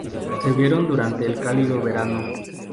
Se vieron durante el cálido verano.